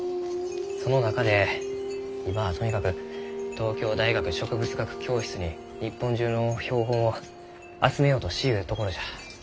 その中で今はとにかく東京大学植物学教室に日本中の標本を集めようとしゆうところじゃ。